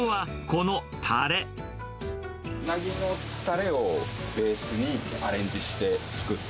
ウナギのたれをベースにアレンジして作った。